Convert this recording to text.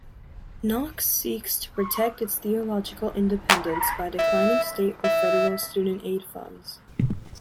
Knox seeks to protect its theological independence by declining state or federal student-aid funds.